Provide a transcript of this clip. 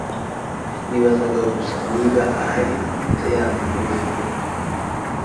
Nibazaga gusa niba ahari amata yandi muri firigo.